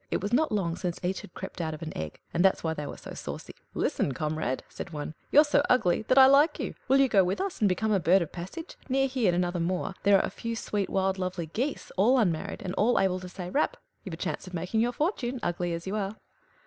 It was not long since each had crept out of an egg, and that's why they were so saucy. "Listen, comrade," said one of them. "You're so ugly that I like you. Will you go with us, and become a bird of passage? Near here, in another moor, there are a few sweet lovely wild geese, all unmarried, and all able to say 'Rap!' You've a chance of making your fortune, ugly as you are."